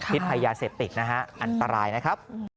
พิษภัยยาเสพติดนะฮะอันตรายนะครับ